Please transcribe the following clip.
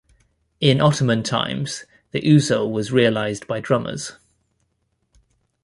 In Ottoman times, the usul was realized by drummers.